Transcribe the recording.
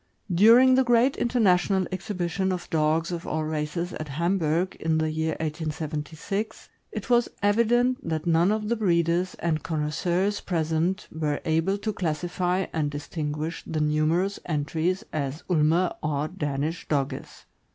During the great international exhibition of dogs of all races at Ham burg, in the year 1876, it was evident that none of the breeders and connois seurs present were able to classify and distinguish the numerous entries as Ulmer or Danish Dogges.